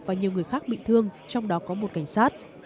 và nhiều người khác bị thương trong đó có một cảnh sát